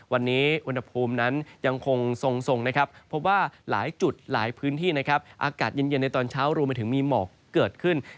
วันนี้อุณหภูมินั้นยังคงทรงนะครับเพราะว่าหลายจุดหลายพื้นที่นะครับอากาศเย็นในตอนเช้ารวมไปถึงมีหมอกเกิดขึ้น